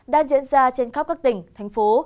đang diễn ra trên khắp các tỉnh thành phố